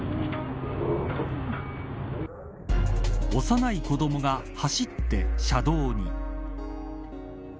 幼い子どもが走って車道に。